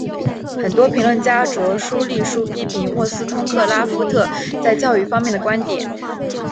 很多评论家着书立说批评沃斯通克拉夫特在教育方面的观点。